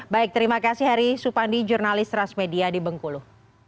baik terima kasih heri supandi jurnalis transmedia di bengkulu